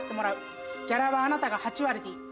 ギャラはあなたが８割でいい。